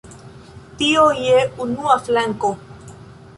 Tio je unua flanko.